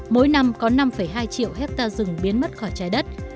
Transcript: mỗi năm có năm hai triệu hectare rừng biến mất khỏi trái đất